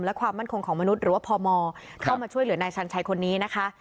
และความมั่นคงของมนุษย์หรือว่าพมเข้ามาช่วยเหลือนายชันชัยคนนี้นะคะ